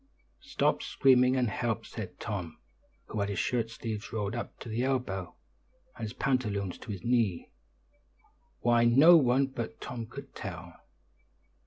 "Stop screaming, and help," said Tom, who had his shirt sleeves rolled up to the elbow, and his pantaloons to his knee why, no one but Tom could tell.